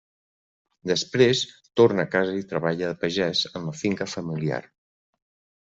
Després, torna a casa i treballa de pagès en la finca familiar.